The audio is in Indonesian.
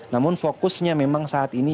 namun fokusnya memang saat ini